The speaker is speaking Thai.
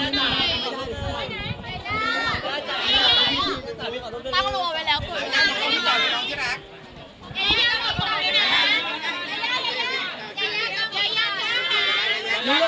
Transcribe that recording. หนูว่ามันตามแล้วแต่ว่าหลักศูนย์มากกว่าค่ะ